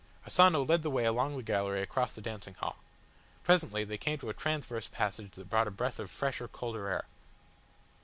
Asano led the way along the gallery across the dancing hall. Presently they came to a transverse passage that brought a breath of fresher, colder air.